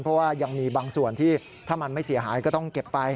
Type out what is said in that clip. เพราะว่ายังมีบางส่วนที่ถ้ามันไม่เสียหายก็ต้องเก็บไป